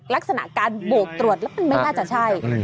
ลักษณะการโบกตรวจแล้วมันไม่น่าจะใช่